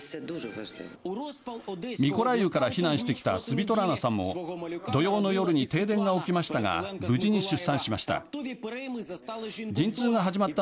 ミコライウから避難してきたスヴィトラナさんも土曜の夜に停電が起きましたが無事に出産しました。